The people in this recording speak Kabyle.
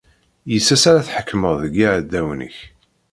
Yis-s ara tḥekmeḍ deg yiɛdawen-ik.